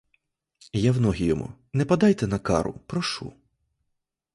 Я в ноги йому: не подайте на кару, прошу.